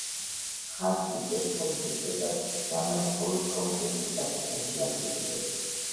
მხარს უჭერს ხელისუფლებას და მას მხოლოდ კონკრეტულ საკითხებში აკრიტიკებს.